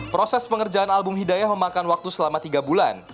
proses pengerjaan album hidayah memakan waktu selama tiga bulan